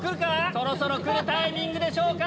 そろそろ来るタイミングでしょうか？